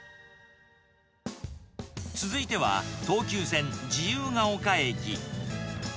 続いては、東急線自由が丘駅。